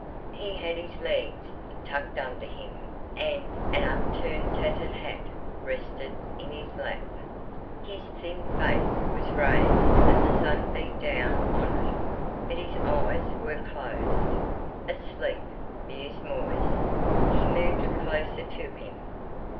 He had his legs tucked under him and an upturned tattered hat rested in his lap. His thin face was raised and the sun beat down on it, but his eyes were closed. "Asleep," mused Moisse. He moved closer to him.